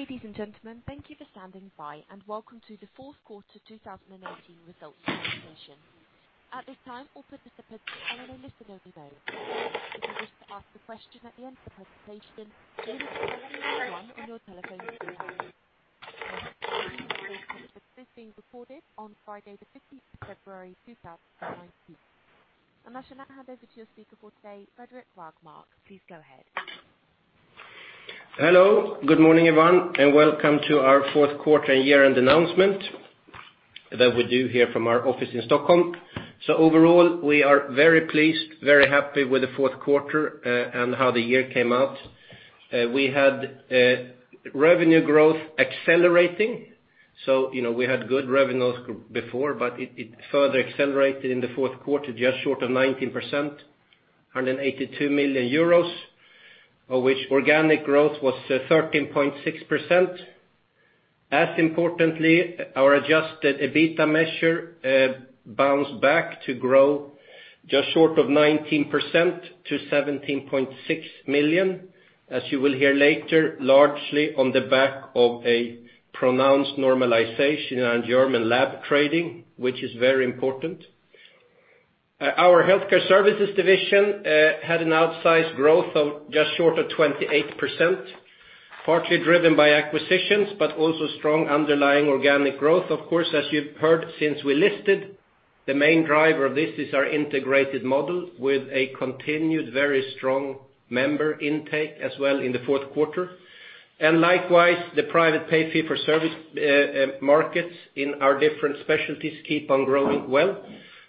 Ladies and gentlemen, thank you for standing by, and welcome to the fourth quarter 2018 results presentation. At this time, all participants are in a listen-only mode. If you wish to ask a question at the end of the presentation, please press 1 on your telephone keypad. This is being recorded on Friday the 15th of February 2019. I shall now hand over to your speaker for today, Fredrik Rågmark. Please go ahead. Hello. Good morning, everyone, and welcome to our fourth quarter year-end announcement that we do here from our office in Stockholm. Overall, we are very pleased, very happy with the fourth quarter and how the year came out. We had revenue growth accelerating. We had good revenues before, but it further accelerated in the fourth quarter, just short of 19%, 182 million euros, of which organic growth was 13.6%. As importantly, our adjusted EBITDA measure bounced back to grow just short of 19% to 17.6 million. As you will hear later, largely on the back of a pronounced normalization in German lab trading, which is very important. Our healthcare services division had an outsized growth of just short of 28%, partly driven by acquisitions, but also strong underlying organic growth. Of course, as you've heard, since we listed, the main driver of this is our integrated model with a continued very strong member intake as well in the fourth quarter. Likewise, the private pay fee for service markets in our different specialties keep on growing well.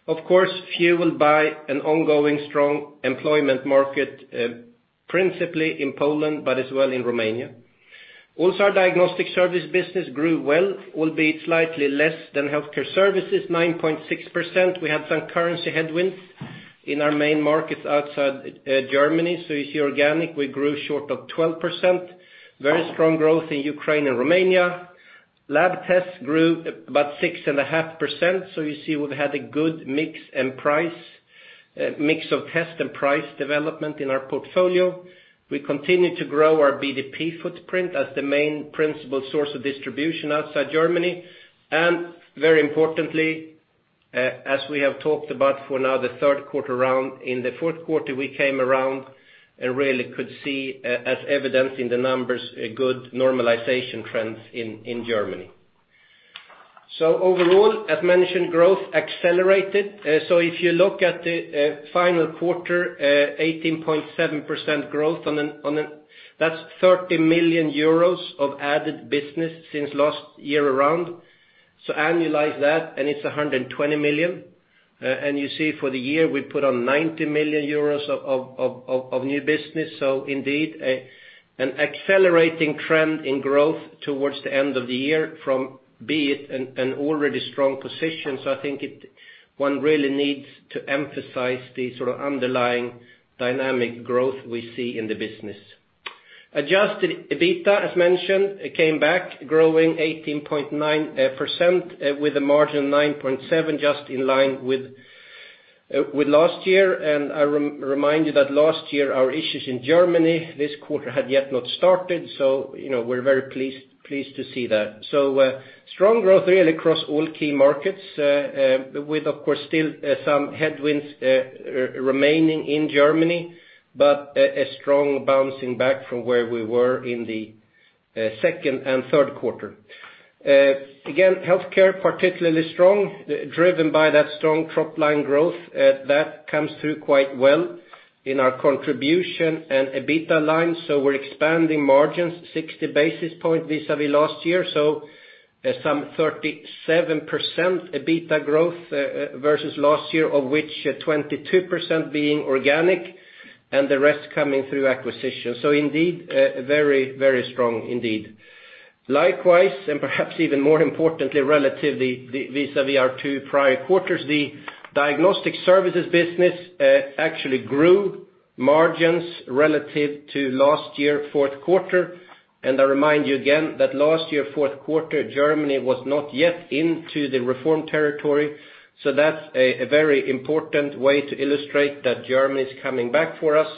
Of course, fueled by an ongoing strong employment market, principally in Poland, but as well in Romania. Also, our diagnostic service business grew well, albeit slightly less than healthcare services, 9.6%. We had some currency headwinds in our main markets outside Germany. You see organic, we grew short of 12%. Very strong growth in Ukraine and Romania. Lab tests grew about 6.5%. You see we've had a good mix of test and price development in our portfolio. We continue to grow our BDP footprint as the main principal source of distribution outside Germany, and very importantly, as we have talked about for now the third quarter round, in the fourth quarter, we came around and really could see as evidenced in the numbers, good normalization trends in Germany. Overall, as mentioned, growth accelerated. If you look at the final quarter, 18.7% growth, that's 30 million euros of added business since last year around. Annualize that, and it's 120 million. You see for the year, we put on 90 million euros of new business. Indeed, an accelerating trend in growth towards the end of the year from be it an already strong position. I think one really needs to emphasize the underlying dynamic growth we see in the business. Adjusted EBITDA, as mentioned, came back growing 18.9% with a margin of 9.7%, just in line with last year. I remind you that last year, our issues in Germany this quarter had yet not started. We're very pleased to see that. Strong growth really across all key markets, with of course still some headwinds remaining in Germany, but a strong bouncing back from where we were in the second and third quarter. Again, healthcare particularly strong, driven by that strong top-line growth that comes through quite well in our contribution and EBITDA lines. We're expanding margins 60 basis points vis-à-vis last year. Some 37% EBITDA growth versus last year, of which 22% being organic and the rest coming through acquisition. Indeed, very strong indeed. Likewise, perhaps even more importantly, relatively vis-à-vis our two prior quarters, the diagnostic services business actually grew margins relative to last year, fourth quarter. I remind you again that last year, fourth quarter, Germany was not yet into the reform territory. That's a very important way to illustrate that Germany is coming back for us.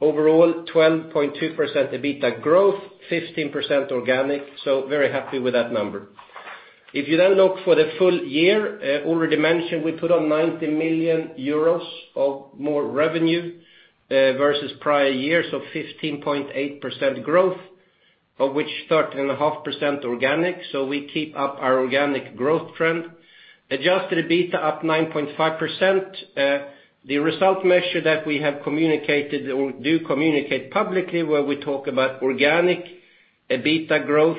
Overall, 12.2% EBITDA growth, 15% organic, very happy with that number. If you look for the full year, already mentioned, we put on 90 million euros of more revenue versus prior years of 15.8% growth, of which 30.5% organic. We keep up our organic growth trend. Adjusted EBITDA up 9.5%. The result measure that we have communicated or do communicate publicly where we talk about organic EBITDA growth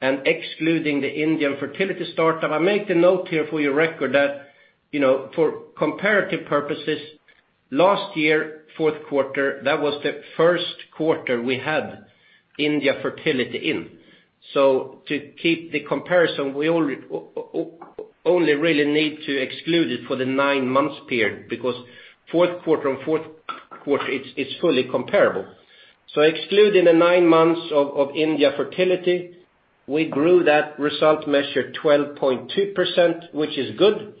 and excluding the Indian fertility startup. I make the note here for your record that for comparative purposes, last year, fourth quarter, that was the first quarter we had India fertility in. To keep the comparison, we only really need to exclude it for the nine months period because fourth quarter on fourth quarter, it's fully comparable. Excluding the nine months of India fertility, we grew that result measure 12.2%, which is good.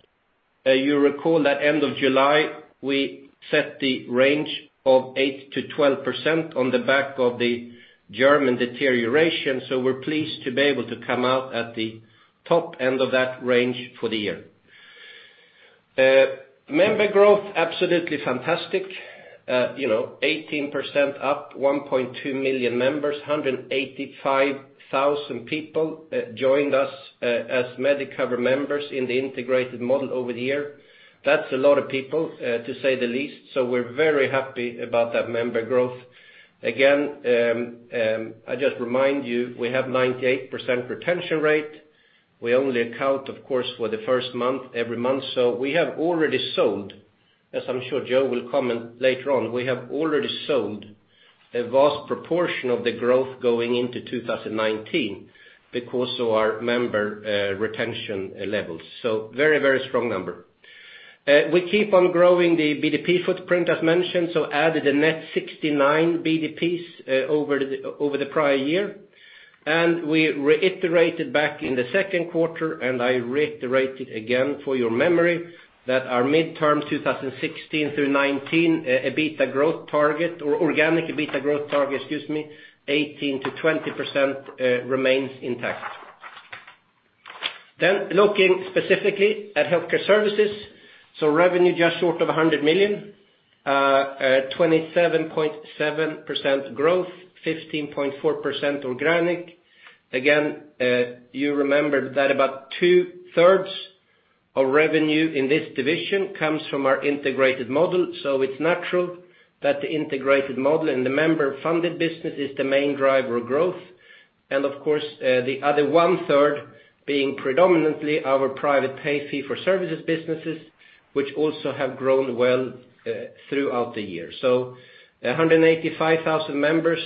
You recall that end of July we set the range of 8%-12% on the back of the German deterioration. We're pleased to be able to come out at the top end of that range for the year. Member growth, absolutely fantastic. 18% up, 1.2 million members, 185,000 people joined us as Medicover members in the integrated model over the year. That's a lot of people, to say the least. We're very happy about that member growth. Again, I just remind you, we have 98% retention rate. We only account, of course, for the first month, every month. We have already sold, as I'm sure Joe will comment later on, we have already sold a vast proportion of the growth going into 2019 because of our member retention levels. Very strong number. We keep on growing the BDP footprint as mentioned, added a net 69 BDPs over the prior year. We reiterated back in the second quarter, and I reiterate it again for your memory, that our midterm 2016 through 2019, EBITDA growth target or organic EBITDA growth target, excuse me, 18%-20% remains intact. Looking specifically at healthcare services. Revenue just short of 100 million, 27.7% growth, 15.4% organic. Again, you remember that about two-thirds of revenue in this division comes from our integrated model. It's natural that the integrated model and the member-funded business is the main driver of growth. Of course, the other one-third being predominantly our private pay fee for services businesses, which also have grown well throughout the year. 185,000 members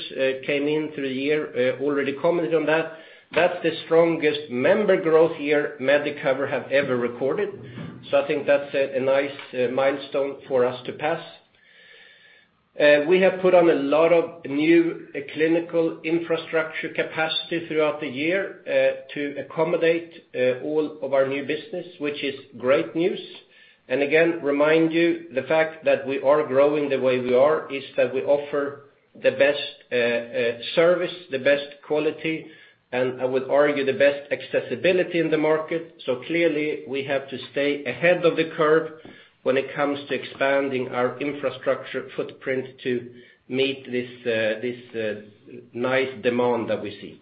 came in through the year, already commented on that. That's the strongest member growth year Medicover have ever recorded. I think that's a nice milestone for us to pass. We have put on a lot of new clinical infrastructure capacity throughout the year to accommodate all of our new business, which is great news. Again, remind you the fact that we are growing the way we are is that we offer the best service, the best quality, and I would argue the best accessibility in the market. Clearly, we have to stay ahead of the curve when it comes to expanding our infrastructure footprint to meet this nice demand that we see.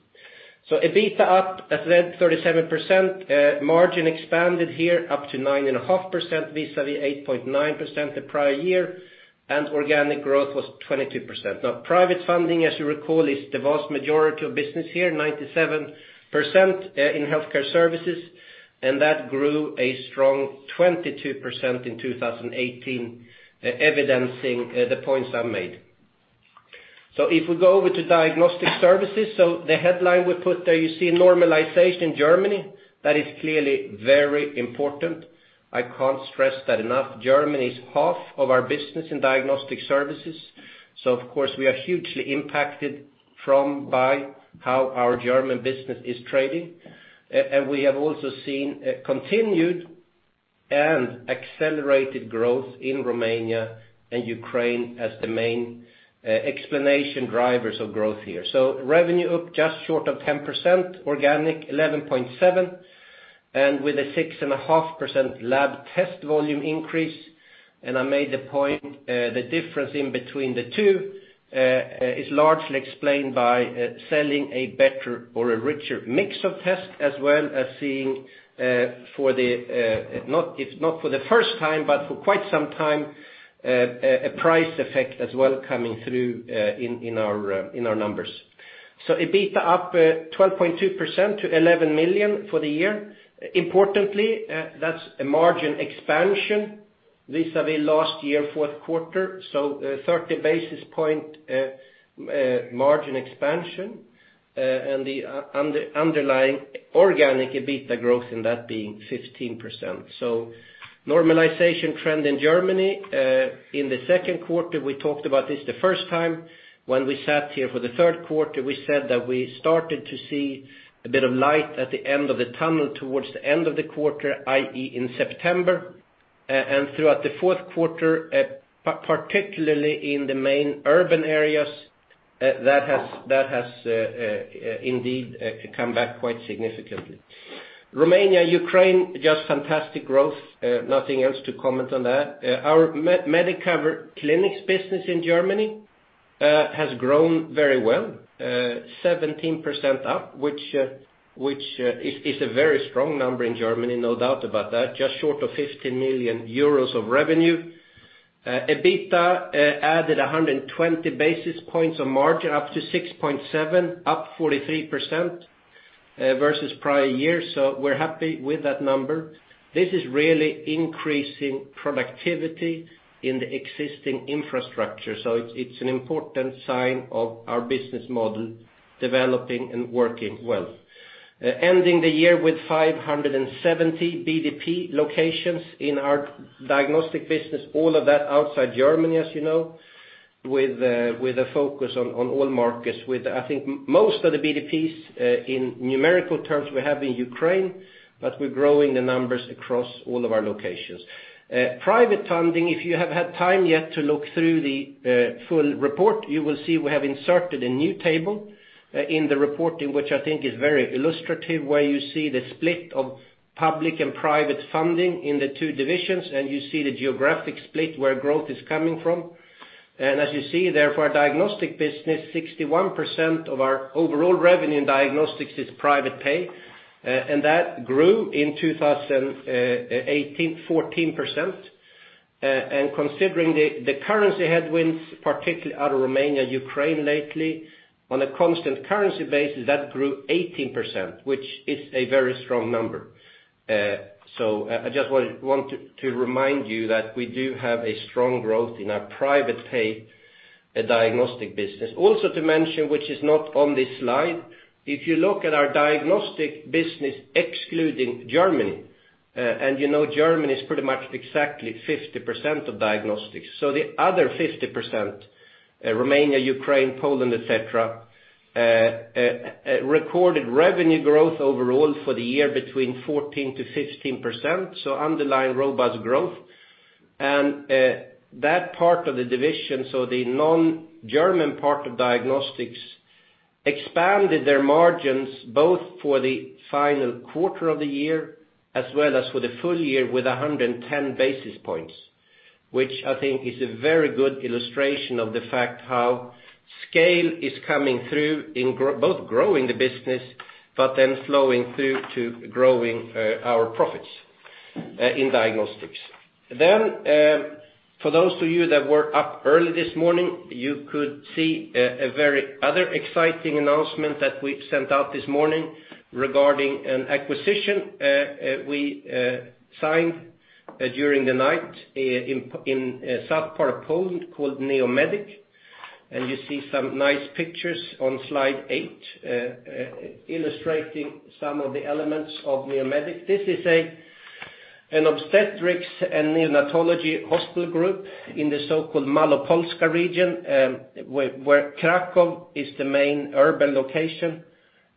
EBITDA up at 37%, margin expanded here up to 9.5% vis-à-vis 8.9% the prior year, and organic growth was 22%. Now private funding, as you recall, is the vast majority of business here, 97% in healthcare services, and that grew a strong 22% in 2018, evidencing the points I made. If we go over to diagnostic services. The headline we put there, you see normalization in Germany. That is clearly very important. I can't stress that enough. Germany is half of our business in diagnostic services. Of course, we are hugely impacted by how our German business is trading. We have also seen continued and accelerated growth in Romania and Ukraine as the main explanation drivers of growth here. Revenue up just short of 10%, organic 11.7%, and with a 6.5% lab test volume increase. I made the point, the difference in between the two is largely explained by selling a better or a richer mix of tests, as well as seeing if not for the first time, but for quite some time a price effect as well coming through in our numbers. EBITDA up 12.2% to 11 million for the year. Importantly, that's a margin expansion vis-à-vis last year, fourth quarter. 30 basis point margin expansion and the underlying organic EBITDA growth in that being 15%. Normalization trend in Germany. In the second quarter, we talked about this the first time when we sat here for the third quarter, we said that we started to see a bit of light at the end of the tunnel towards the end of the quarter, i.e., in September. Throughout the fourth quarter, particularly in the main urban areas, that has indeed come back quite significantly. Romania, Ukraine, just fantastic growth. Nothing else to comment on that. Our Medicover clinics business in Germany has grown very well, 17% up, which is a very strong number in Germany, no doubt about that. Just short of 15 million euros of revenue. EBITDA added 120 basis points on margin up to 6.7, up 43% versus prior year. We're happy with that number. This is really increasing productivity in the existing infrastructure. It's an important sign of our business model developing and working well. Ending the year with 570 BDP locations in our diagnostic business, all of that outside Germany, as you know. With a focus on all markets with, I think, most of the BDPs in numerical terms we have in Ukraine, but we're growing the numbers across all of our locations. Private funding, if you have had time yet to look through the full report, you will see we have inserted a new table in the report, which I think is very illustrative, where you see the split of public and private funding in the two divisions, and you see the geographic split where growth is coming from. As you see, therefore, diagnostic business, 61% of our overall revenue in diagnostics is private pay, and that grew in 2018, 14%. Considering the currency headwinds, particularly out of Romania and Ukraine lately, on a constant currency basis, that grew 18%, which is a very strong number. I just want to remind you that we do have a strong growth in our private pay diagnostic business. Also to mention, which is not on this slide, if you look at our diagnostic business excluding Germany, and you know Germany is pretty much exactly 50% of diagnostics. The other 50%, Romania, Ukraine, Poland, et cetera, recorded revenue growth overall for the year between 14%-15%, so underlying robust growth. That part of the division, so the non-German part of diagnostics, expanded their margins both for the final quarter of the year, as well as for the full year with 110 basis points, which I think is a very good illustration of the fact how scale is coming through in both growing the business, but then flowing through to growing our profits in diagnostics. For those of you that were up early this morning, you could see a very other exciting announcement that we sent out this morning regarding an acquisition we signed during the night in south part of Poland called Neomedic. You see some nice pictures on slide eight illustrating some of the elements of Neomedic. This is an obstetrics and neonatology hospital group in the so-called Malopolska region, where Kraków is the main urban location.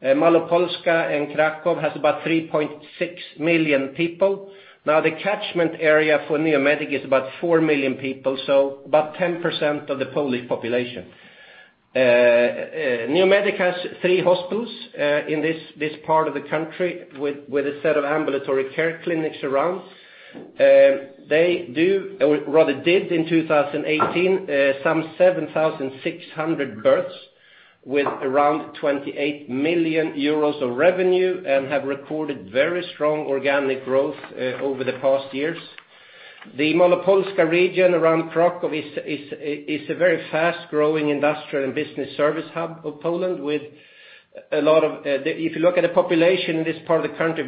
Malopolska and Kraków has about 3.6 million people. The catchment area for Neomedic is about 4 million people, so about 10% of the Polish population. Neomedic has three hospitals in this part of the country with a set of ambulatory care clinics around. They do, or rather did in 2018, some 7,600 births with around 28 million euros of revenue and have recorded very strong organic growth over the past years. The Malopolska region around Kraków is a very fast-growing industrial and business service hub of Poland. If you look at the population in this part of the country,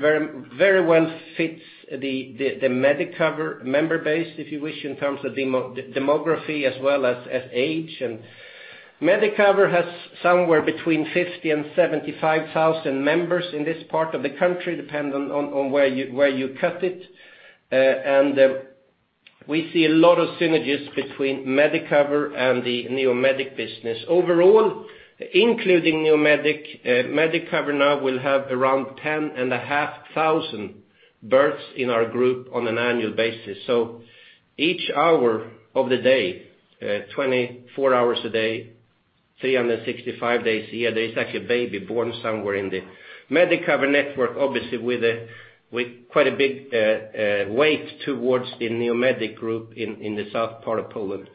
very well fits the Medicover member base, if you wish, in terms of demography as well as age. Medicover has somewhere between 50,000 and 75,000 members in this part of the country, depending on where you cut it. We see a lot of synergies between Medicover and the Neomedic business. Overall, including Neomedic, Medicover now will have around 10,500 births in our group on an annual basis. Each hour of the day, 24 hours a day, 365 days a year, there's actually a baby born somewhere in the Medicover network, obviously with quite a big weight towards the Neomedic group in the south part of Poland.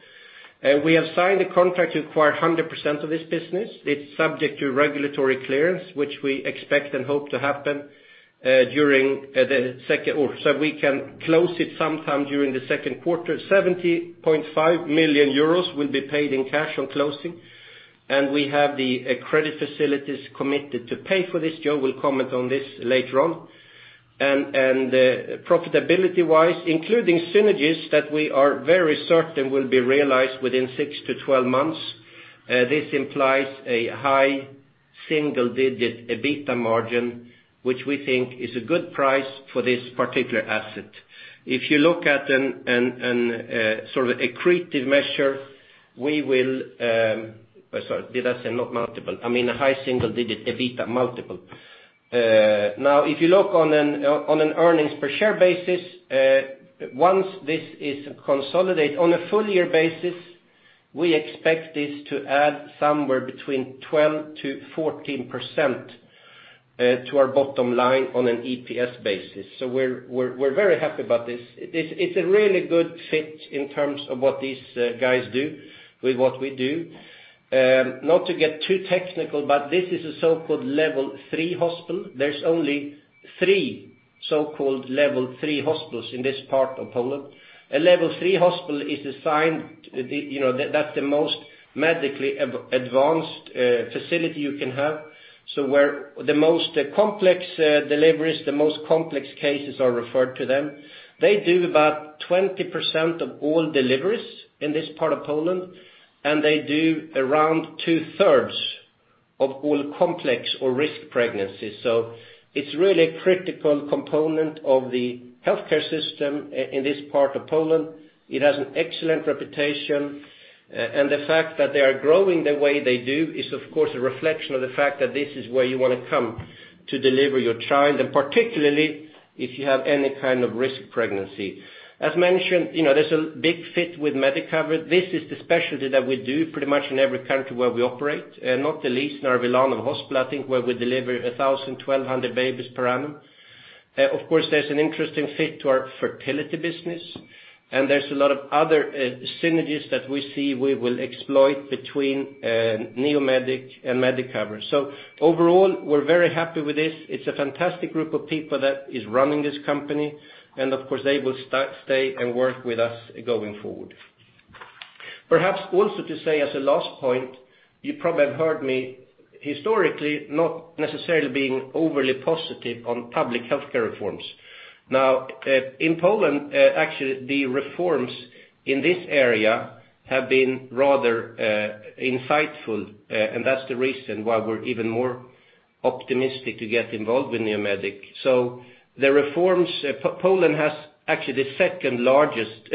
We have signed a contract to acquire 100% of this business. It's subject to regulatory clearance, which we expect and hope to happen so we can close it sometime during the second quarter. 70.5 million euros will be paid in cash on closing, and we have the credit facilities committed to pay for this. Joe will comment on this later on. Profitability-wise, including synergies that we are very certain will be realized within 6 to 12 months, this implies a high single-digit EBITDA margin, which we think is a good price for this particular asset. If you look at an accretive measure, we will I'm sorry, did I say not multiple? I mean a high single-digit EBITDA multiple. If you look on an earnings per share basis, once this is consolidated on a full year basis, we expect this to add somewhere between 12%-14% to our bottom line on an EPS basis. We're very happy about this. It's a really good fit in terms of what these guys do with what we do. Not to get too technical, but this is a so-called level 3 hospital. There's only three so-called level 3 hospitals in this part of Poland. A level 3 hospital is designed, that's the most medically advanced facility you can have. Where the most complex deliveries, the most complex cases are referred to them. They do about 20% of all deliveries in this part of Poland, and they do around two-thirds of all complex or risk pregnancies. It's really a critical component of the healthcare system in this part of Poland. It has an excellent reputation, and the fact that they are growing the way they do is, of course, a reflection of the fact that this is where you want to come to deliver your child, and particularly if you have any kind of risk pregnancy. As mentioned, there's a big fit with Medicover. This is the specialty that we do pretty much in every country where we operate, and not the least in our Wilanów hospital, I think, where we deliver 1,000, 1,200 babies per annum. Of course, there's an interesting fit to our fertility business, and there's a lot of other synergies that we see we will exploit between Neomedic and Medicover. Overall, we're very happy with this. It's a fantastic group of people that is running this company, and of course, they will stay and work with us going forward. Perhaps also to say as a last point, you probably have heard me historically not necessarily being overly positive on public healthcare reforms. In Poland, actually, the reforms in this area have been rather insightful, and that's the reason why we're even more optimistic to get involved with Neomedic. The reforms, Poland has actually the second lowest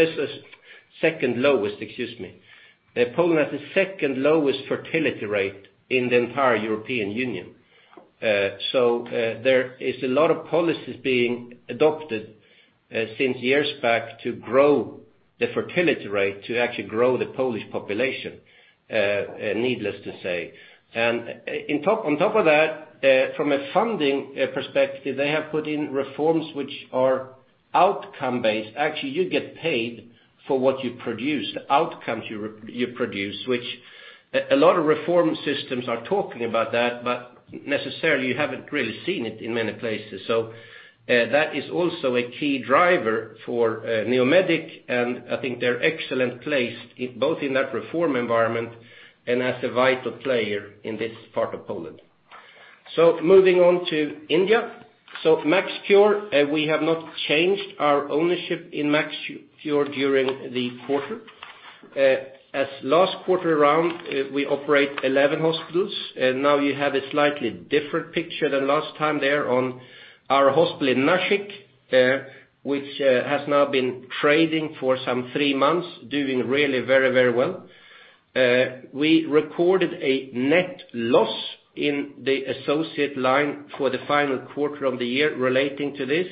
fertility rate in the entire European Union. There is a lot of policies being adopted since years back to grow the fertility rate, to actually grow the Polish population, needless to say. On top of that, from a funding perspective, they have put in reforms which are outcome-based. Actually, you get paid for what you produce, the outcomes you produce. Which a lot of reform systems are talking about that, but necessarily, you haven't really seen it in many places. That is also a key driver for Neomedic, and I think they're excellent placed both in that reform environment and as a vital player in this part of Poland. Moving on to India. MaxCure, we have not changed our ownership in MaxCure during the quarter. As last quarter around, we operate 11 hospitals. Now you have a slightly different picture than last time there on our hospital in Nashik, which has now been trading for some three months, doing really very well. We recorded a net loss in the associate line for the final quarter of the year relating to this,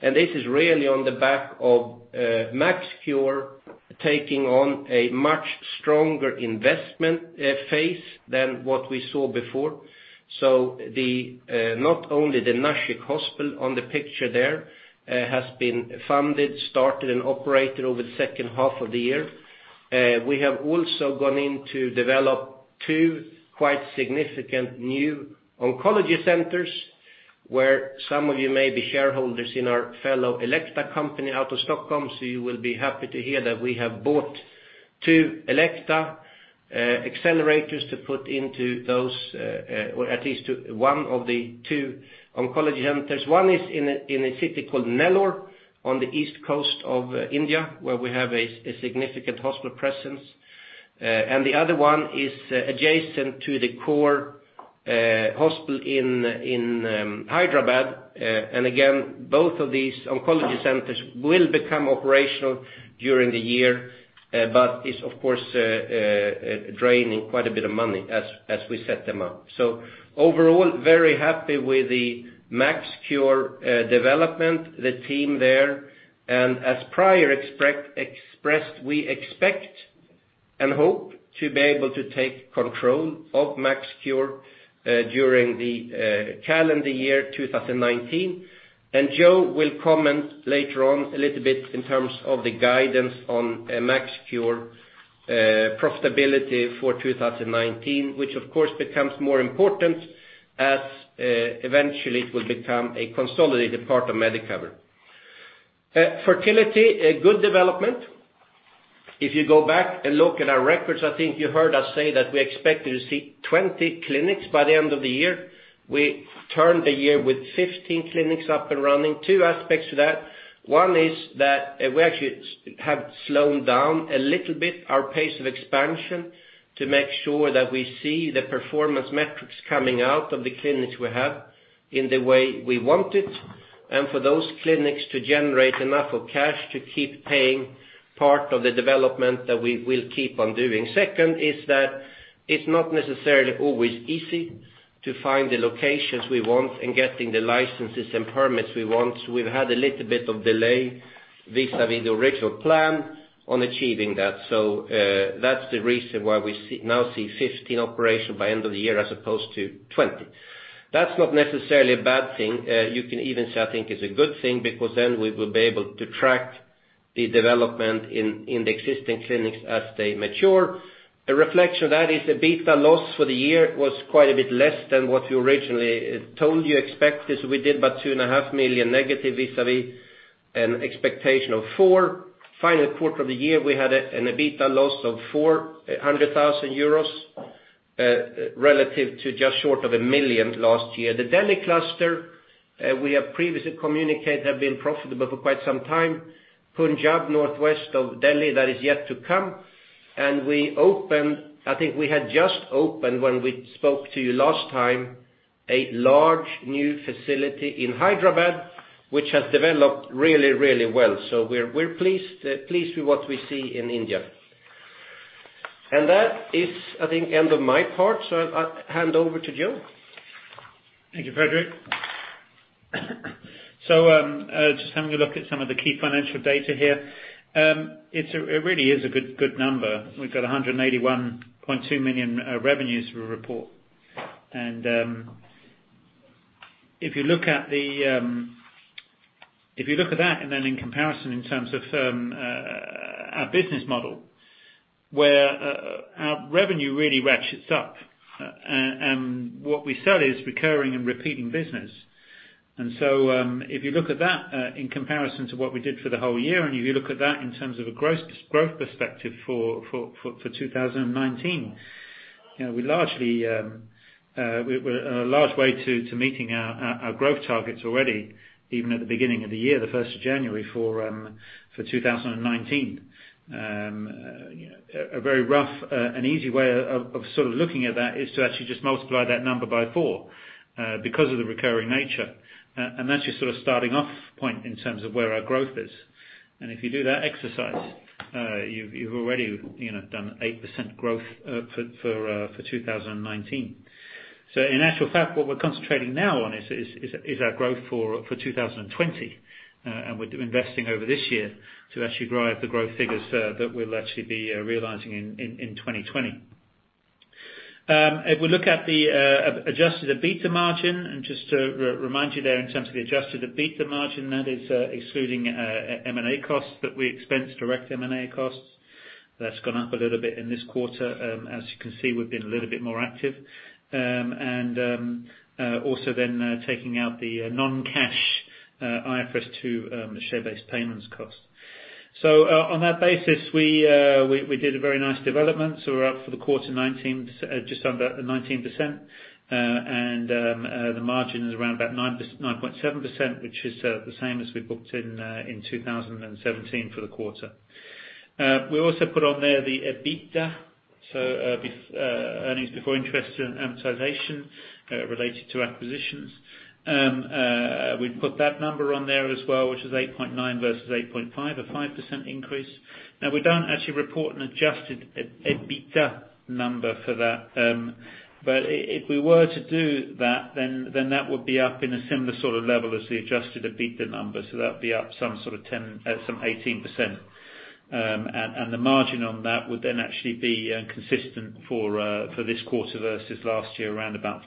and this is really on the back of MaxCure taking on a much stronger investment phase than what we saw before. Not only the Nashik hospital on the picture there has been funded, started, and operated over the second half of the year. We have also gone in to develop two quite significant new oncology centers where some of you may be shareholders in our fellow Elekta company out of Stockholm, so you will be happy to hear that we have bought two Elekta accelerators to put into those, or at least one of the two oncology centers. One is in a city called Nellore on the east coast of India, where we have a significant hospital presence. The other one is adjacent to the core hospital in Hyderabad. Again, both of these oncology centers will become operational during the year, but it's of course, draining quite a bit of money as we set them up. Overall, very happy with the MaxCure development, the team there. As prior expressed, we expect and hope to be able to take control of MaxCure during the calendar year 2019. Joe will comment later on a little bit in terms of the guidance on MaxCure profitability for 2019, which of course becomes more important as eventually it will become a consolidated part of Medicover. Fertility, a good development. If you go back and look at our records, I think you heard us say that we expected to see 20 clinics by the end of the year. We turned the year with 15 clinics up and running. Two aspects to that. One is that we actually have slowed down a little bit our pace of expansion to make sure that we see the performance metrics coming out of the clinics we have in the way we want it, and for those clinics to generate enough of cash to keep paying part of the development that we will keep on doing. Second is that it's not necessarily always easy to find the locations we want and getting the licenses and permits we want. We've had a little bit of delay vis-à-vis the original plan on achieving that. So that's the reason why we now see 15 operational by end of the year as opposed to 20. That's not necessarily a bad thing. You can even say, I think it's a good thing because then we will be able to track the development in the existing clinics as they mature. A reflection of that is the EBITDA loss for the year was quite a bit less than what we originally told you, expected we did about 2.5 million negative vis-à-vis an expectation of 4 million. Final quarter of the year, we had an EBITDA loss of 400,000 euros relative to just short of 1 million last year. The Delhi cluster we have previously communicated have been profitable for quite some time. Punjab, northwest of Delhi, that is yet to come. We opened, I think we had just opened when we spoke to you last time, a large new facility in Hyderabad, which has developed really, really well. We're pleased with what we see in India. That is, I think, end of my part, I'll hand over to Joe. Thank you, Fredrik. Just having a look at some of the key financial data here. It really is a good number. We've got 181.2 million revenues to report. If you look at that and then in comparison in terms of our business model, where our revenue really ratchets up, what we sell is recurring and repeating business. If you look at that in comparison to what we did for the whole year, if you look at that in terms of a growth perspective for 2019, we're a large way to meeting our growth targets already, even at the beginning of the year, the 1st of January for 2019. A very rough, an easy way of sort of looking at that is to actually just multiply that number by four, because of the recurring nature. That's your sort of starting off point in terms of where our growth is. If you do that exercise, you've already done 8% growth for 2019. In actual fact, what we're concentrating now on is our growth for 2020. We're investing over this year to actually drive the growth figures that we'll actually be realizing in 2020. If we look at the adjusted EBITDA margin, just to remind you there in terms of the adjusted EBITDA margin, that is excluding M&A costs, but we expense direct M&A costs. That's gone up a little bit in this quarter. As you can see, we've been a little bit more active. Also then taking out the non-cash IFRS 2 share-based payments cost. On that basis, we did a very nice development. We are up for the quarter, just under 19%, and the margin is around about 9.7%, which is the same as we booked in 2017 for the quarter. We also put on there the EBITDA. Earnings before interest and amortization related to acquisitions. We put that number on there as well, which is 8.9 versus 8.5, a 5% increase. We don't actually report an adjusted EBITDA number for that. If we were to do that would be up in a similar sort of level as the adjusted EBITDA number. That would be up some 18%. The margin on that would actually be consistent for this quarter versus last year, around about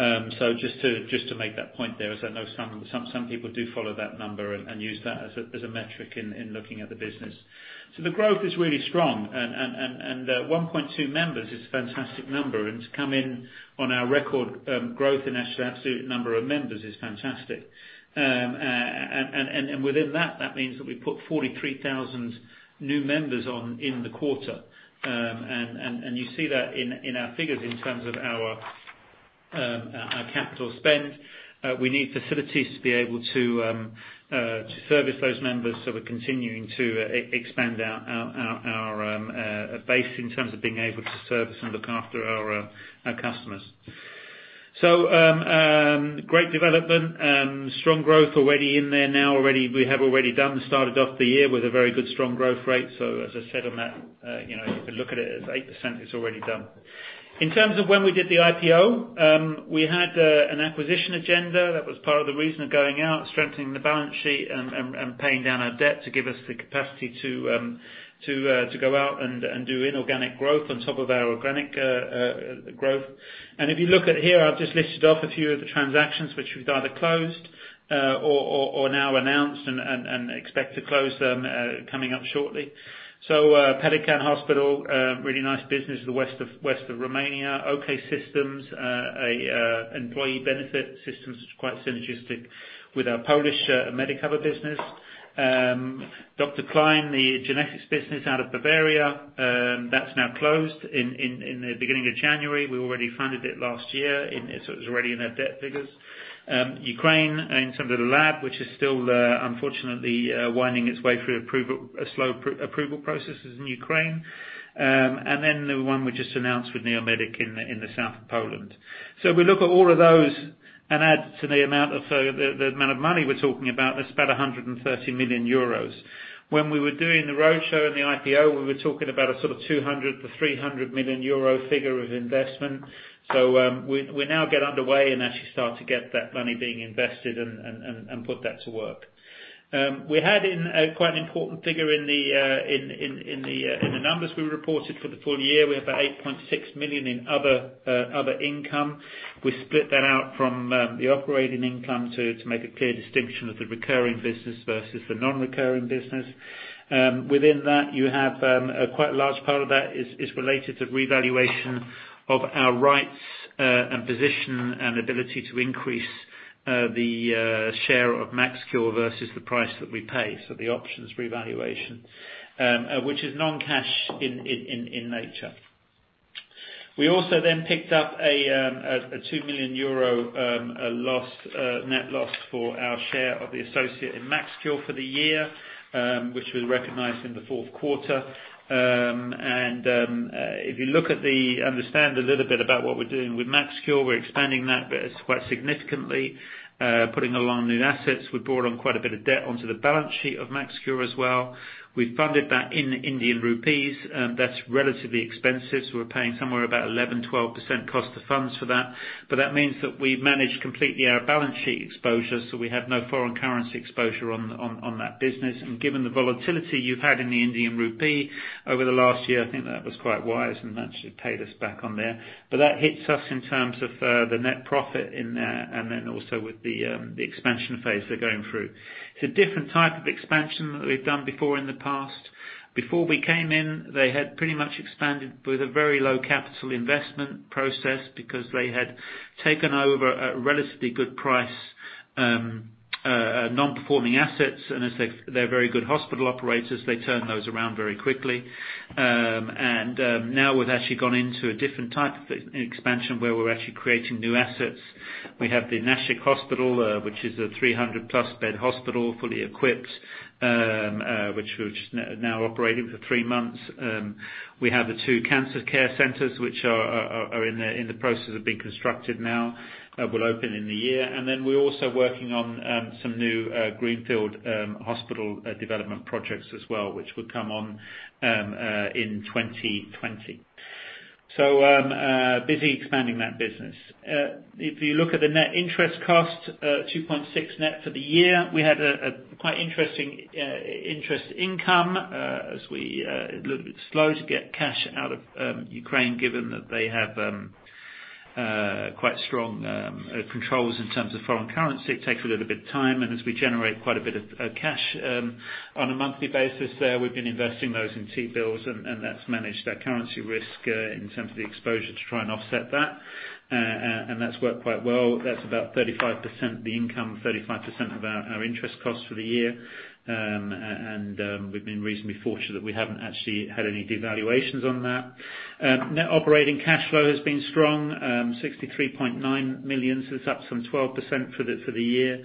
5.7%. Just to make that point there, as I know some people do follow that number and use that as a metric in looking at the business. The growth is really strong, 1.2 members is a fantastic number, and to come in on our record growth in actual absolute number of members is fantastic. Within that means that we put 43,000 new members on in the quarter. You see that in our figures in terms of our capital spend. We need facilities to be able to service those members. We are continuing to expand our base in terms of being able to service and look after our customers. Great development. Strong growth already in there now. We have already started off the year with a very good strong growth rate. As I said on that, if you look at it as 8%, it is already done. In terms of when we did the IPO, we had an acquisition agenda that was part of the reason of going out, strengthening the balance sheet, and paying down our debt to give us the capacity to go out and do inorganic growth on top of our organic growth. If you look at here, I have just listed off a few of the transactions which we have either closed or now announced and expect to close them coming up shortly. Pelican Hospital, really nice business in the west of Romania. OK System, employee benefit systems. It is quite synergistic with our Polish Medicover business. Dr. Klein, the genetics business out of Bavaria, that is now closed in the beginning of January. We already funded it last year, and it was already in our debt figures. Ukraine, in terms of the lab, which is still unfortunately winding its way through slow approval processes in Ukraine. The one we just announced with Neomedic in the south of Poland. We look at all of those and add to the amount of money we are talking about, that is about 130 million euros. When we were doing the roadshow and the IPO, we were talking about a sort of 200 million-300 million euro figure of investment. We now get underway and actually start to get that money being invested and put that to work. We had a quite an important figure in the numbers we reported for the full year. We have 8.6 million in other income. We split that out from the operating income to make a clear distinction of the recurring business versus the non-recurring business. Within that, quite a large part of that is related to revaluation of our rights, position, and ability to increase the share of MaxCure versus the price that we pay, so the options revaluation, which is non-cash in nature. We also then picked up a 2 million euro net loss for our share of the associate in MaxCure for the year, which was recognized in the fourth quarter. If you understand a little bit about what we're doing with MaxCure, we're expanding that quite significantly, putting along new assets. We brought on quite a bit of debt onto the balance sheet of MaxCure as well. We funded that in Indian rupees. That's relatively expensive, so we're paying somewhere about 11%-12% cost of funds for that. That means that we've managed completely our balance sheet exposure, so we have no foreign currency exposure on that business. Given the volatility you've had in the Indian rupee over the last year, I think that was quite wise and that should pay us back on there. That hits us in terms of the net profit in there, also with the expansion phase they're going through. It's a different type of expansion that we've done before in the past. Before we came in, they had pretty much expanded with a very low capital investment process because they had taken over at relatively good price non-performing assets, as they're very good hospital operators, they turned those around very quickly. Now we've actually gone into a different type of expansion where we're actually creating new assets. We have the Nashik Hospital, which is a 300-plus bed hospital, fully equipped, which is now operating for three months. We have the two cancer care centers, which are in the process of being constructed now, will open in the year. We're also working on some new greenfield hospital development projects as well, which will come on in 2020. Busy expanding that business. If you look at the net interest cost, 2.6 net for the year. A little bit slow to get cash out of Ukraine, given that they have quite strong controls in terms of foreign currency. It takes a little bit of time. As we generate quite a bit of cash on a monthly basis there, we've been investing those in T-bills, that's managed our currency risk in terms of the exposure to try and offset that. That's worked quite well. That's about 35% of the income, 35% of our interest costs for the year. We've been reasonably fortunate that we haven't actually had any devaluations on that. Net operating cash flow has been strong, 63.9 million, it's up some 12% for the year.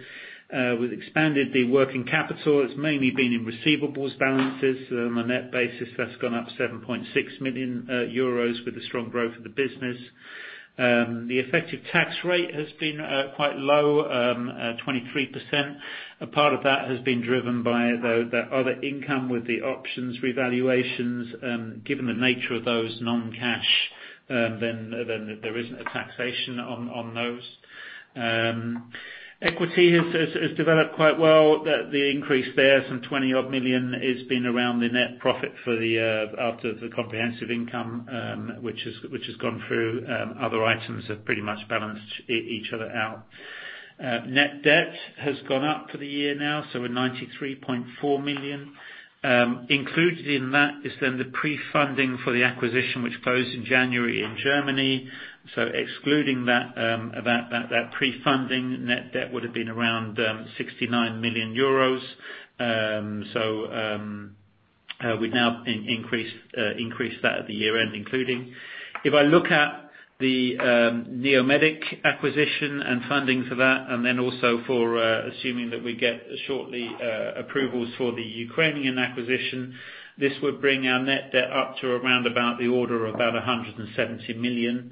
We've expanded the working capital. It's mainly been in receivables balances. On a net basis, that's gone up 7.6 million euros with the strong growth of the business. The effective tax rate has been quite low, 23%. A part of that has been driven by the other income with the options revaluations. Given the nature of those non-cash, there isn't a taxation on those. Equity has developed quite well. The increase there, some 20-odd million, has been around the net profit for the year after the comprehensive income which has gone through. Other items have pretty much balanced each other out. Net debt has gone up for the year now, we are 93.4 million. Included in that is then the pre-funding for the acquisition which closed in January in Germany. Excluding that pre-funding, net debt would have been around 69 million euros. We have now increased that at the year-end including. If I look at the Neomedic acquisition and funding for that, and then also for assuming that we get shortly approvals for the Ukrainian acquisition, this would bring our net debt up to around 170 million.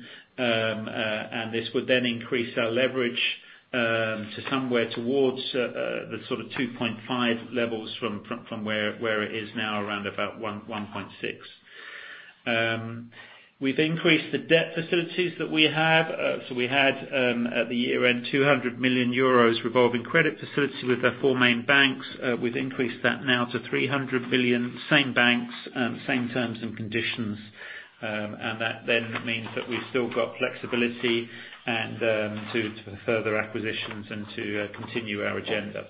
This would then increase our leverage to somewhere towards the sort of 2.5 levels from where it is now, around 1.6. We have increased the debt facilities that we have. We had at the year-end 200 million euros revolving credit facility with our four main banks. We have increased that now to 300 million, same banks, same terms, and conditions. That then means that we have still got flexibility to further acquisitions and to continue our agenda.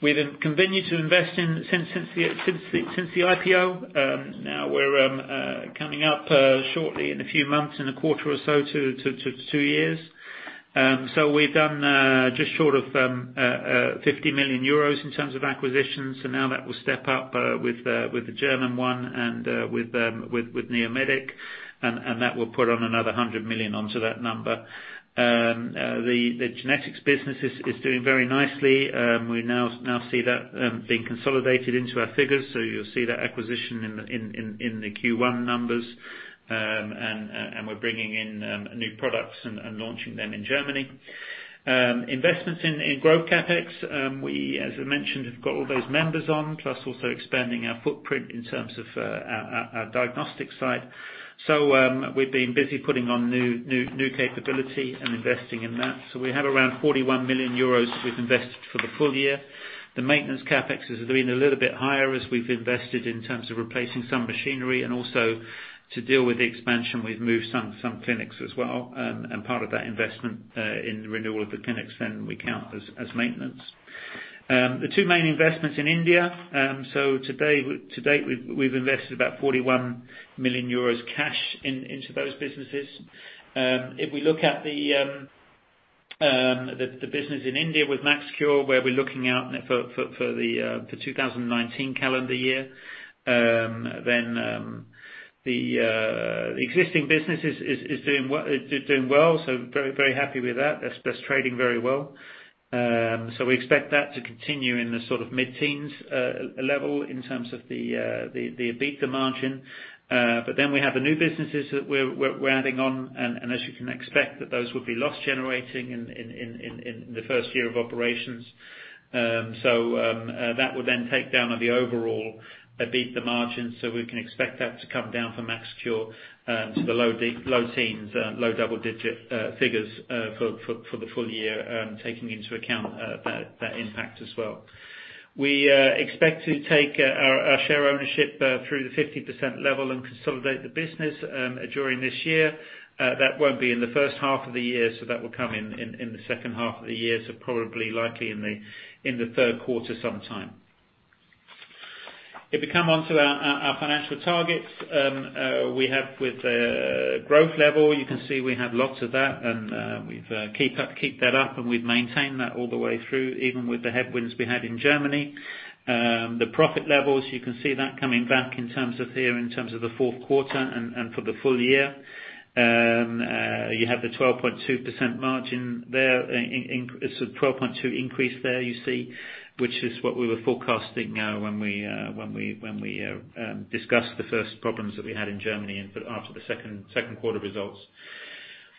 We have continued to invest since the IPO. Now we are coming up shortly in a few months, in a quarter or so, to two years. We have done just short of 50 million euros in terms of acquisitions. Now that will step up with the German one and with Neomedic, and that will put on another 100 million onto that number. The genetics business is doing very nicely. We now see that being consolidated into our figures, you will see that acquisition in the Q1 numbers. We are bringing in new products and launching them in Germany. Investments in growth CapEx, we, as I mentioned, have got all those members on, plus also expanding our footprint in terms of our diagnostics side. We have been busy putting on new capability and investing in that. We have around 41 million euros we have invested for the full year. The maintenance CapEx has been a little bit higher as we have invested in terms of replacing some machinery and also to deal with the expansion we have moved some clinics as well. Part of that investment in renewal of the clinics then we count as maintenance. The two main investments in India. To date, we have invested about 41 million euros cash into those businesses. If we look at the business in India with MaxCure, where we are looking out for the 2019 calendar year, then the existing business is doing well. Very happy with that. That is trading very well. We expect that to continue in the mid-teens level in terms of the EBITDA margin. We have the new businesses that we are adding on, and as you can expect that those would be loss-generating in the first year of operations. That would then take down on the overall EBITDA margin, we can expect that to come down for MaxCure to the low teens, low double digit figures for the full year, taking into account that impact as well. We expect to take our share ownership through the 50% level and consolidate the business during this year. That will not be in the first half of the year, that will come in the second half of the year, probably likely in the third quarter sometime. If we come onto our financial targets, we have with the growth level, you can see we have lots of that, and we've kept that up, and we've maintained that all the way through, even with the headwinds we had in Germany. The profit levels, you can see that coming back in terms of the fourth quarter and for the full year. You have the 12.2% margin there, 12.2% increase there you see, which is what we were forecasting when we discussed the first problems that we had in Germany and after the second quarter results.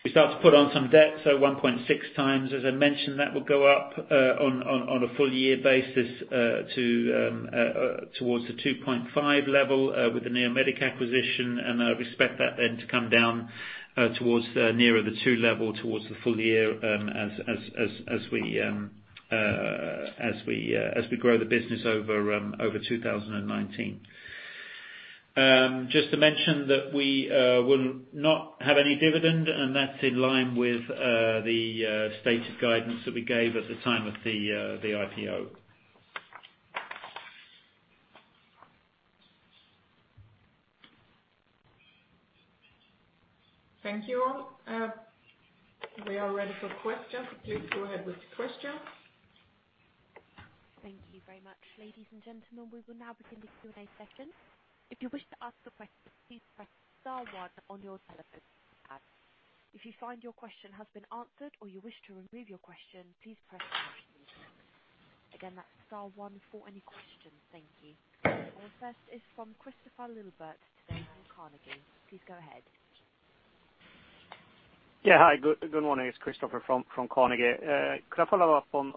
We start to put on some debt, 1.6 times. As I mentioned, that would go up on a full year basis towards the 2.5 level with the Neomedic acquisition. We expect that then to come down towards nearer the 2 level towards the full year as we grow the business over 2019. Just to mention that we will not have any dividend. That's in line with the stated guidance that we gave at the time of the IPO. Thank you all. We are ready for questions. Please go ahead with your questions. Thank you very much. Ladies and gentlemen, we will now begin the Q&A session. If you wish to ask a question, please press star one on your telephone keypad. If you find your question has been answered or you wish to remove your question, please press star two. Again, that's star one for any questions. Thank you. Our first is from Kristofer Liljeberg-Svensson today from Carnegie. Please go ahead. Yeah, hi. Good morning. It's Kristofer from Carnegie. Could I follow up on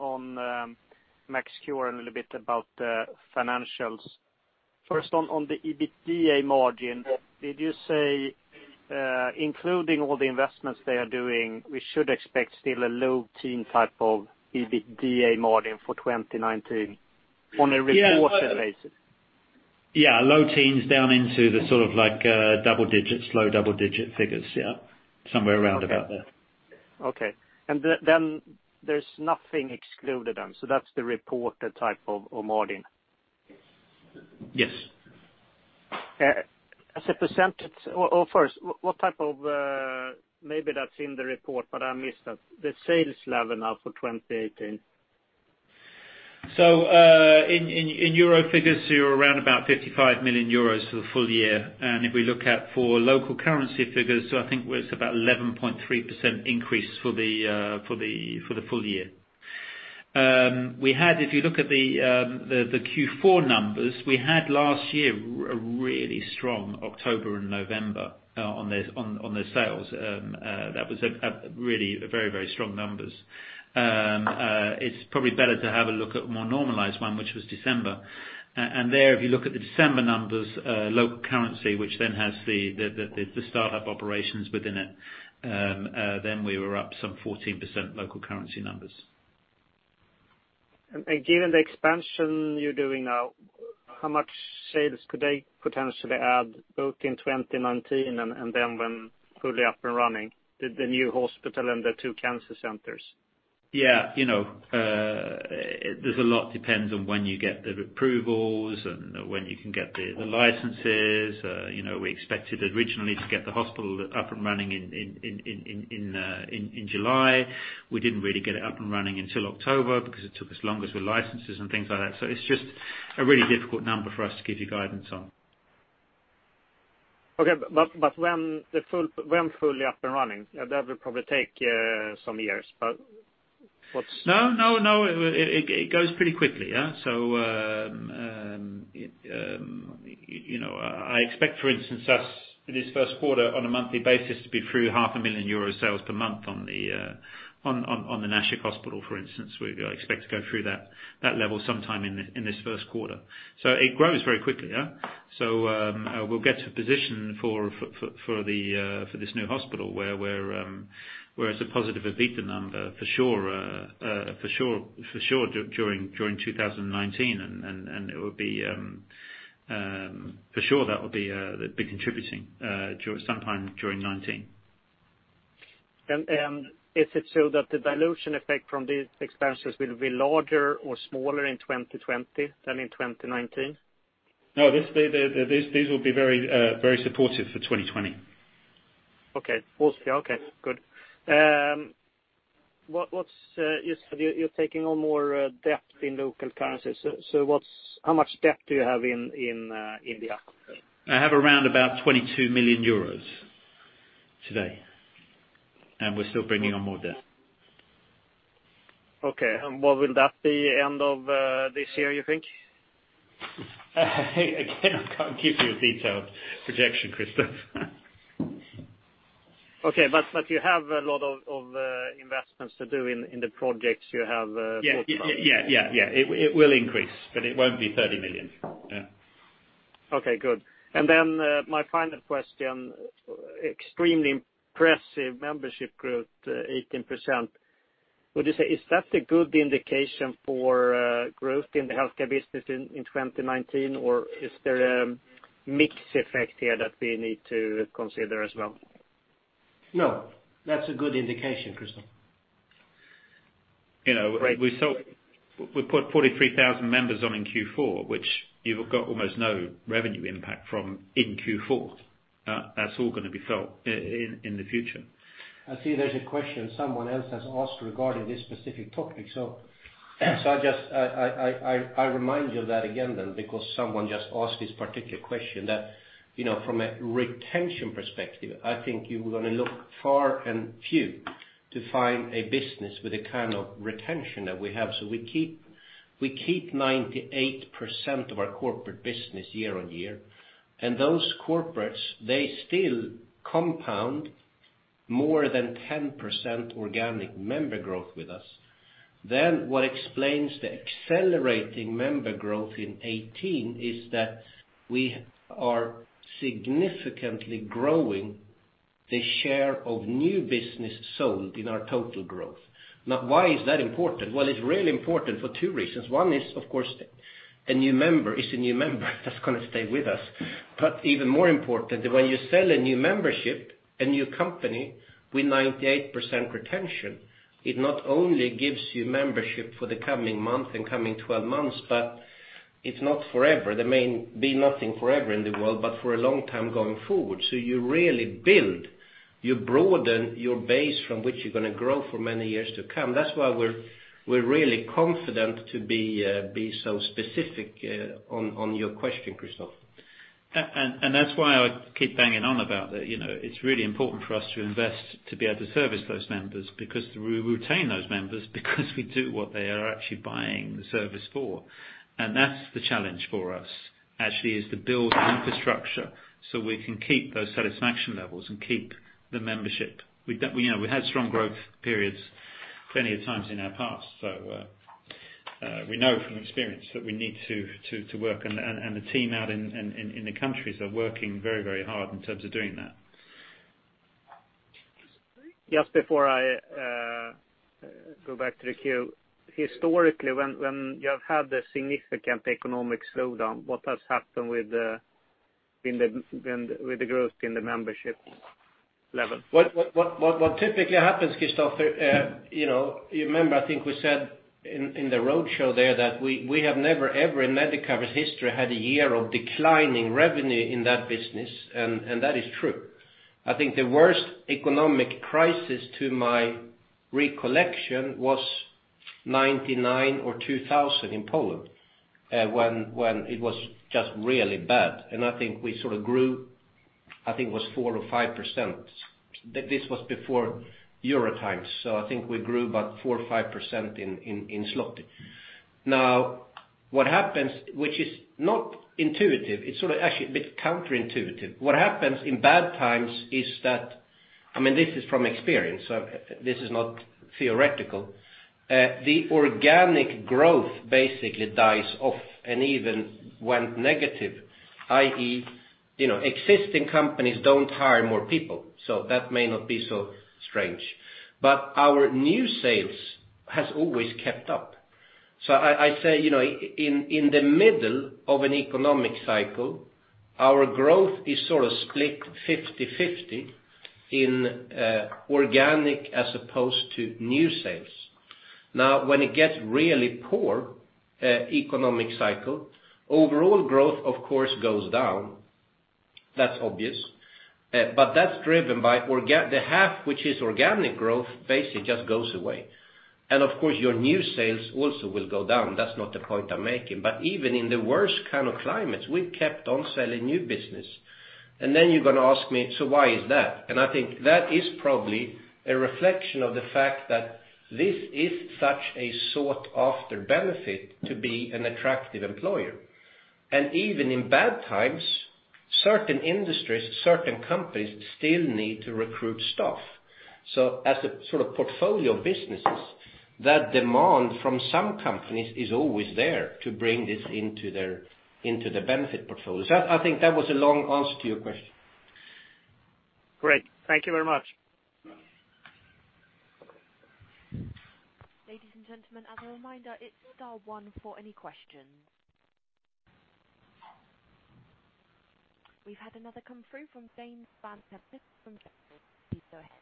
MaxCure a little bit about the financials? First on the EBITDA margin, did you say, including all the investments they are doing, we should expect still a low teen type of EBITDA margin for 2019 on a reported basis? Yeah. Low teens down into the double digits, low double digit figures. Yeah. Somewhere around about there. Okay. Then there's nothing excluded then, that's the reported type of margin. Yes. First, what type of, maybe that's in the report, but I missed it. The sales level now for 2018. In EUR figures, you're around about 55 million euros for the full year. If we look at for local currency figures, it's about 11.3% increase for the full year. If you look at the Q4 numbers, we had last year, a really strong October and November on the sales. That was a really very strong numbers. It's probably better to have a look at more normalized one, which was December. There, if you look at the December numbers, local currency, which then has the startup operations within it, then we were up some 14% local currency numbers. Given the expansion you're doing now, how much sales could they potentially add, both in 2019 and then when fully up and running, the new hospital and the two cancer centers? There's a lot depends on when you get the approvals and when you can get the licenses. We expected originally to get the hospital up and running in July. We didn't really get it up and running until October because it took us longer with licenses and things like that. It's just a really difficult number for us to give you guidance on. When fully up and running, that will probably take some years. No, it goes pretty quickly. Yeah. I expect, for instance, us this first quarter on a monthly basis to be through half a million EUR sales per month on the Nashik hospital, for instance. We expect to go through that level sometime in this first quarter. It grows very quickly. We'll get to a position for this new hospital where it's a positive EBITDA number for sure during 2019. It will be, for sure that will be contributing sometime during 2019. Is it so that the dilution effect from these expenses will be larger or smaller in 2020 than in 2019? No, these will be very supportive for 2020. Okay. Good. You said you're taking on more debt in local currency. How much debt do you have in India? I have around about 22 million euros today. We're still bringing on more debt. Okay. What will that be end of this year, you think? Again, I can't give you a detailed projection, Kristoff. Okay. You have a lot of investments to do in the projects you have talked about. Yeah. It will increase, but it won't be 30 million. Yeah. Okay, good. My final question, extremely impressive membership growth, 18%. Would you say, is that a good indication for growth in the healthcare business in 2019, or is there a mix effect here that we need to consider as well? No, that's a good indication, Kristofer. We put 43,000 members on in Q4, which you've got almost no revenue impact from in Q4. That's all going to be felt in the future. I see there's a question someone else has asked regarding this specific topic. I remind you of that again, because someone just asked this particular question, that from a retention perspective, I think you are going to look far and few to find a business with the kind of retention that we have. We keep 98% of our corporate business year on year, and those corporates, they still compound more than 10% organic member growth with us. What explains the accelerating member growth in 2018 is that we are significantly growing the share of new business sold in our total growth. Why is that important? It's really important for two reasons. One is, of course, a new member is a new member that's going to stay with us. Even more important, when you sell a new membership, a new company with 98% retention, it not only gives you membership for the coming month and coming 12 months, but it's not forever. There may be nothing forever in the world, but for a long time going forward. You really build, you broaden your base from which you're going to grow for many years to come. That's why we're really confident to be so specific on your question, Kristoff. That's why I keep banging on about that. It's really important for us to invest, to be able to service those members, because we retain those members because we do what they are actually buying the service for. That's the challenge for us, actually, is to build infrastructure so we can keep those satisfaction levels and keep the membership. We had strong growth periods plenty of times in our past, we know from experience that we need to work, the team out in the countries are working very hard in terms of doing that. Just before I go back to the queue. Historically, when you have had a significant economic slowdown, what has happened with the growth in the membership level? What typically happens, Kristofer, you remember, I think we said in the roadshow there that we have never, ever in Medicover's history had a year of declining revenue in that business, and that is true. I think the worst economic crisis to my recollection was 1999 or 2000 in Poland, when it was just really bad. I think we sort of grew, I think it was 4% or 5%. This was before EUR times, so I think we grew about 4% or 5% in PLN. What happens, which is not intuitive, it's sort of actually a bit counterintuitive. What happens in bad times is that this is from experience, so this is not theoretical. The organic growth basically dies off and even went negative, i.e., existing companies don't hire more people, so that may not be so strange. Our new sales has always kept up. I say, in the middle of an economic cycle, our growth is sort of split 50/50 in organic as opposed to new sales. When it gets really poor economic cycle, overall growth of course goes down. That's obvious. That's driven by the half, which is organic growth, basically just goes away. Of course your new sales also will go down. That's not the point I'm making. Even in the worst kind of climates, we've kept on selling new business. Then you're going to ask me, why is that? I think that is probably a reflection of the fact that this is such a sought-after benefit to be an attractive employer. Even in bad times, certain industries, certain companies still need to recruit staff. As a sort of portfolio of businesses, that demand from some companies is always there to bring this into the benefit portfolios. I think that was a long answer to your question. Great. Thank you very much. Ladies and gentlemen, as a reminder, it's star one for any questions. We've had another come through from James Vane-Tempest from Jefferies. Please go ahead.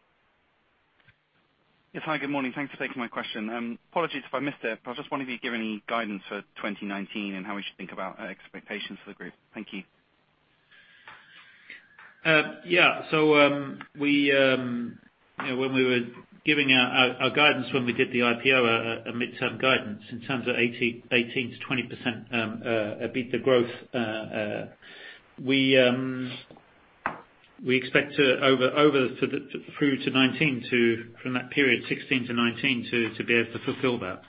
Yes. Hi, good morning. Thanks for taking my question. Apologies if I missed it, but I was just wondering if you could give any guidance for 2019 and how we should think about expectations for the group. Thank you. Yeah. When we were giving our guidance when we did the IPO, a midterm guidance in terms of 18%-20% EBITDA growth. We expect through to 2019, from that period 2016 to 2019, to be able to fulfill that.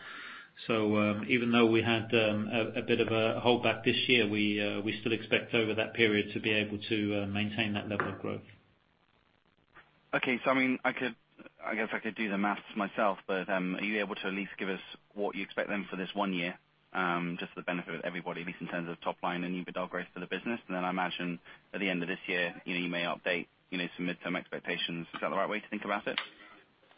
Even though we had a bit of a holdback this year, we still expect over that period to be able to maintain that level of growth. Okay. I guess I could do the math myself, but are you able to at least give us what you expect then for this one year? Just for the benefit of everybody, at least in terms of top line and EBITDA growth for the business, I imagine by the end of this year, you may update some midterm expectations. Is that the right way to think about it?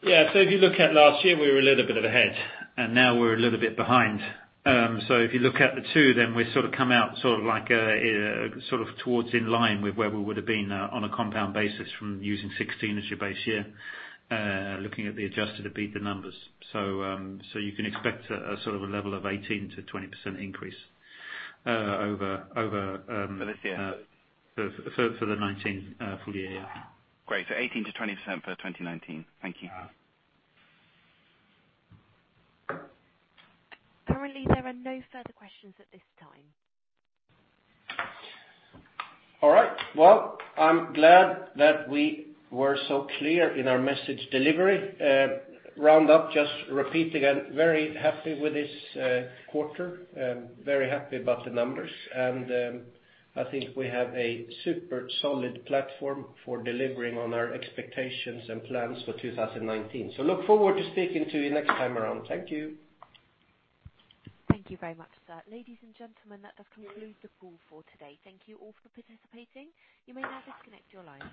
Yeah. If you look at last year, we were a little bit of ahead, and now we're a little bit behind. If you look at the two, then we've sort of come out towards in line with where we would've been on a compound basis from using 2016 as your base year, looking at the adjusted EBITDA numbers. You can expect a level of 18%-20% increase over- For this year for the 2019 full year, yeah. Great. 18%-20% for 2019. Thank you. Currently, there are no further questions at this time. All right. Well, I'm glad that we were so clear in our message delivery. Round up, just repeating, I'm very happy with this quarter, very happy about the numbers, and I think we have a super solid platform for delivering on our expectations and plans for 2019. Look forward to speaking to you next time around. Thank you. Thank you very much, sir. Ladies and gentlemen, that does conclude the call for today. Thank you all for participating. You may now disconnect your lines.